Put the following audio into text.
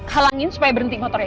halangin supaya berhenti motornya